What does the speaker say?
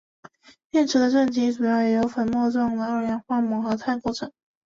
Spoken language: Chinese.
电池的正极主要是由粉末状的二氧化锰和碳构成。